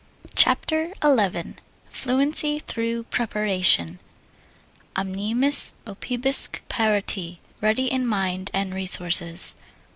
CHAPTER XI FLUENCY THROUGH PREPARATION Animis opibusque parati Ready in mind and resources.